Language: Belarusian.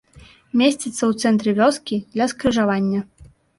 Месціцца ў цэнтры вёскі, ля скрыжавання.